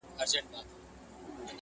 او پای يې خلاص پاتې کيږي تل.